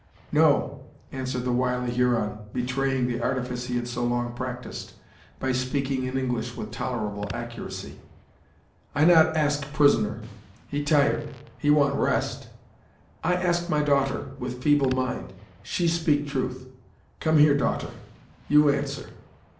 "No," answered the wily Huron, betraying the artifice he had so long practised, by speaking in English with tolerable accuracy, "I not ask prisoner. He tired; he want rest. I ask my daughter, with feeble mind. She speak truth. Come here, daughter; you answer.